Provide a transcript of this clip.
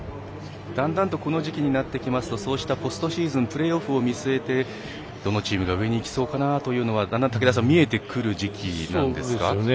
だんだんとこの時期になってきますとそうしたポストシーズンプレーオフを見据えてどのチームが上にいきそうかというのがだんだん見えてくる時期なんですね。